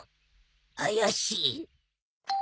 怪しい。